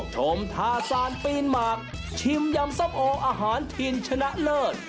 ชมทาซานปีนหมากชิมยำส้มโออาหารถิ่นชนะเลิศ